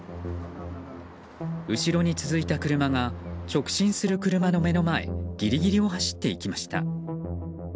後ろに続いた車が直進する車の目の前ギリギリを走っていきました。